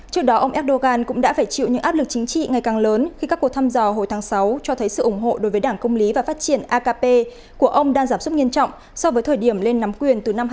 trước đó ông erdogan cũng đã phải chịu những áp lực chính trị ngày càng lớn khi các cuộc thăm dò hồi tháng sáu cho thấy sự ủng hộ đối với đảng công lý và phát triển akp của ông đang giảm sút nghiêm trọng so với thời điểm lên nắm quyền từ năm hai nghìn một mươi